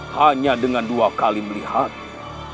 hanya dengan dua kali melihatnya